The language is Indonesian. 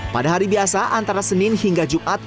pada hari biasa antara senin hingga jumat